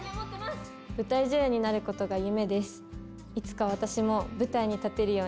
舞台女優になることが夢です。